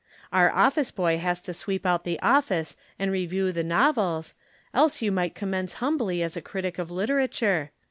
Our office boy has to sweep out the office and review the novels, else you might commence humbly as a critic of literature.